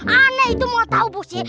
anak itu mau tahu bos